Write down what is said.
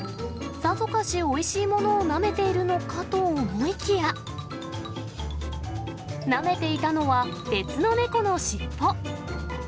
さぞかしおいしいものをなめているのかと思いきや、なめていたのは別の猫の尻尾。